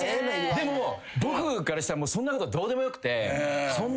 でも僕からしたらそんなことはどうでもよくて。